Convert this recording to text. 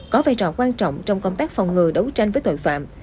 có vai trò quan trọng trong công tác phòng ngừa đấu tranh với tội phạm